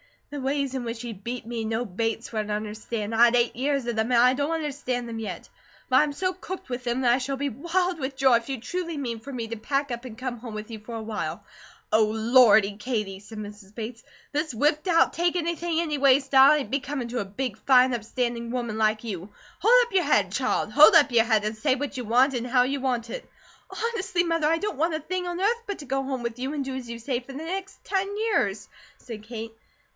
"The ways in which he 'beat' me no Bates would understand. I had eight years of them, and I don't understand them yet; but I am so cooked with them, that I shall be wild with joy if you truly mean for me to pack up and come home with you for awhile." "Oh, Lordy, Katie!" said Mrs. Bates. "This whipped out, take anything anyway style ain't becomin' to a big, fine, upstanding woman like you. Hold up your head, child! Hold up your head, and say what you want, an' how you want it!" "Honestly, Mother, I don't want a thing on earth but to go home with you and do as you say for the next ten years," said Kate.